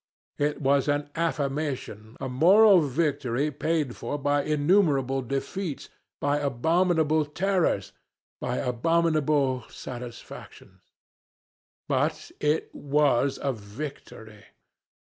It was an affirmation, a moral victory paid for by innumerable defeats, by abominable terrors, by abominable satisfactions. But it was a victory!